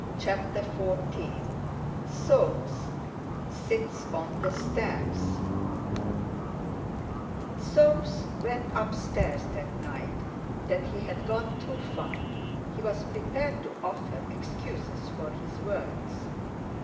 CHAPTER XIV SOAMES SITS ON THE STAIRS Soames went up stairs that night with the feeling that he had gone too far. He was prepared to offer excuses for his words.